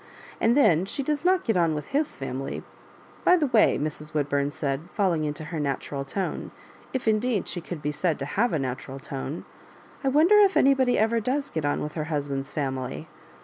And then flhe does not get on with his family. By the way," Mrs. Woodbum said, falling into her natural tone, if mdeed she could be ^ad to have a natural tone — I wonder if anybody ever does get on with her husband's family."